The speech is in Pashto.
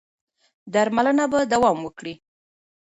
درملنه به دوام وکړي.